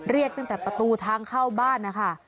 เรียกตั้งแต่ประตูทางเข้าบ้านนะคะ